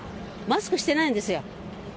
マスクしてないんですよ。